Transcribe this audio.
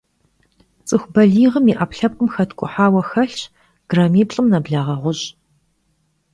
Ts'ıxu baliğım yi 'epkhlhepkhım xetk'uhaue xelhş grammiplh'ım neblağe ğuş'.